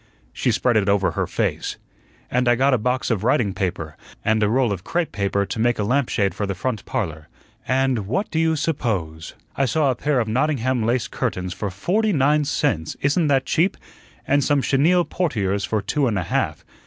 she spread it over her face "and I got a box of writing paper, and a roll of crepe paper to make a lamp shade for the front parlor; and what do you suppose I saw a pair of Nottingham lace curtains for FORTY NINE CENTS; isn't that cheap? and some chenille portieres for two and a half.